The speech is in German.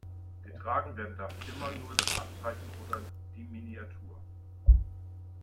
Getragen werden darf immer nur das Abzeichen oder die Miniatur.